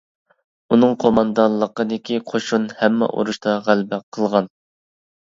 ئۇنىڭ قوماندانلىقىدىكى قوشۇن ھەممە ئۇرۇشتا غەلىبە قىلغان.